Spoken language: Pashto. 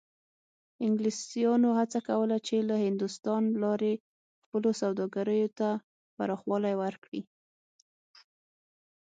انګلیسانو هڅه کوله چې له هندوستان لارې خپلو سوداګریو ته پراخوالی ورکړي.